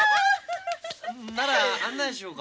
なら案内しよか。